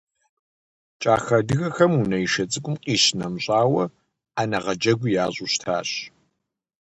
КӀахэ адыгэхэм унэишэ цӀыкӀум къищынэмыщӀауэ, Ӏэнэгъэуджи ящӀу щытащ.